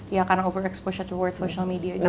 ya karena overexposure ke media sosial juga